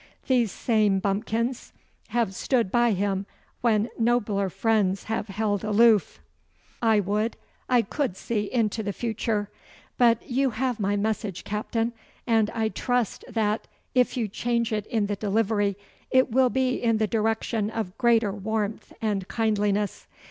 These same bumpkins have stood by him when nobler friends have held aloof. I would I could see into the future. But you have my message, Captain, and I trust that, if you change it in the delivery, it will be in the direction of greater warmth and kindliness.